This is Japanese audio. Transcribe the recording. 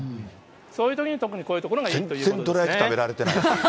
そういうときに特にこういう所がいいということですね。